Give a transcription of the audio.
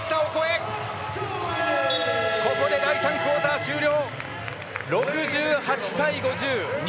ここで第３クオーター終了！